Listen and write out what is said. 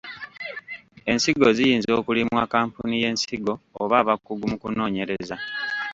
Ensigo ziyinza okulimwa kampuni y’ensigo oba abakugu mu kunoonyereza.